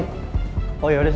belum bisa nunggu lagi